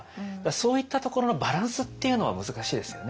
そういったところのバランスっていうのは難しいですよね。